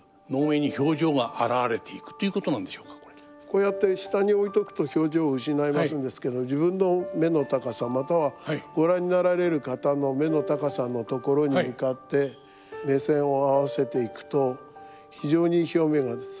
こうやって下に置いとくと表情失いますんですけど自分の目の高さまたはご覧になられる方の目の高さのところに向かって目線を合わせていくと非常に表面なんです。